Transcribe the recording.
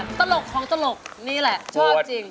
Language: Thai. ตลกของตลกนี่แหละชอบจริง